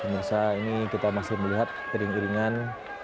ya saya ini kita masih melihat kering keringan